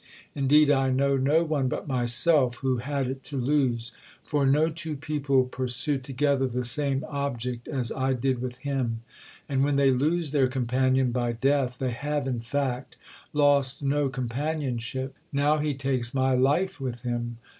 Indeed I know no one but myself who had it to lose. For no two people pursue together the same object, as I did with him. And when they lose their companion by death, they have in fact lost no companionship. Now he takes my life with him.